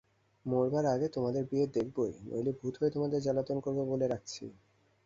মরবার আগে তোমাদের বিয়ে দেখবই, নইলে ভূত হয়ে তোমাদের জ্বালাতন করব বলে রাখছি।